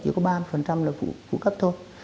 chỉ có ba mươi là phụ cấp thôi